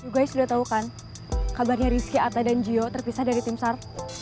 you guys udah tau kan kabarnya rizky arta dan gio terpisah dari tim sar